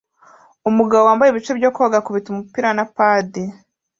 Umugabo wambaye ibice byo koga akubita umupira na padi